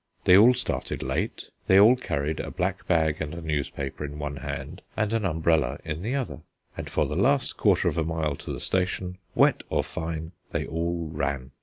They all started late; they all carried a black bag and a newspaper in one hand, and an umbrella in the other; and for the last quarter of a mile to the station, wet or fine, they all ran.